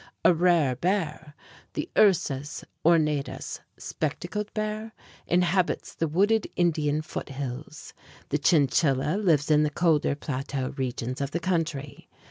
A rare bear, the Ursus ornatus (spectacled bear) inhabits the wooded Indian foothills. The chinchilla lives in the colder plateau regions of the country.